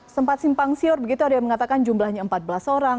sempat simpang siur begitu ada yang mengatakan jumlahnya empat belas orang